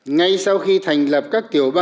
ngay sau khi thành lập các tiểu ban